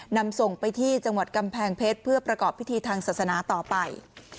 นำส่งไปที่จังหวัดกำแพงเพชรเพื่อประกอบพิธีทางศาสนาต่อไป